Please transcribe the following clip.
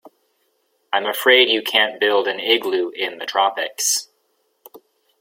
I'm afraid you can't build an igloo in the tropics.